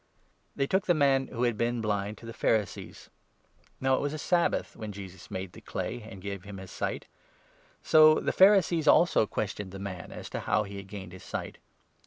They took the man, who had been blind, to the Pharisees. 13 Now it was a Sabbath when Jesus made the clay and gave 14 him his sight. So the Pharisees also questioned the man as 15 to how he had gained his sight.